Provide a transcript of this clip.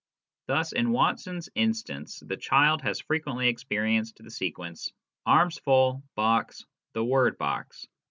Thus in Watson's instance, the child has frequently experienced the sequence : arms full, box, the word " box."